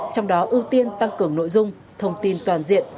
trong đó ưu tiên tăng cường nội dung thông tin toàn diện